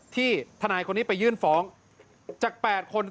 ทนายคนนี้ไปยื่นฟ้องจาก๘คน